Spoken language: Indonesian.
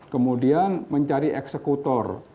kemudian mencari eksekutor